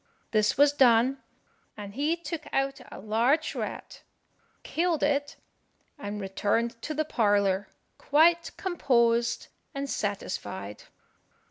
This was done, and he took out a large rat, killed it, and returned to the parlour quite composed and satisfied.